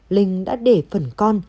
linh đã để phần con